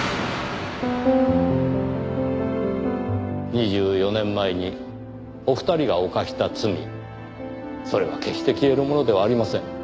２４年前にお二人が犯した罪それは決して消えるものではありません。